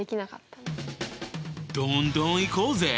どんどんいこうぜ！